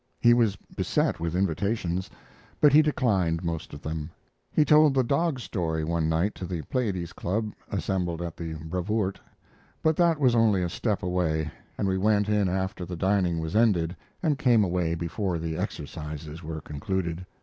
He was beset with invitations, but he declined most of them. He told the dog story one night to the Pleiades Club, assembled at the Brevoort; but that was only a step away, and we went in after the dining was ended and came away before the exercises were concluded.